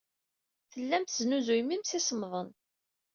Tellam tesnuzuyem imsisemḍen.